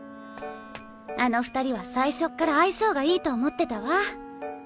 あの２人は最初から相性がいいと思ってたわ。